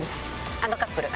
あのカップル。